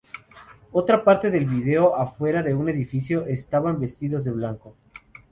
Otra parte del video a fuera de un edificio estaban vestidos de blanco.